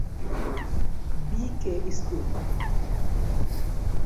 B K school.